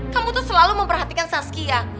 kamu tuh selalu memperhatikan saskia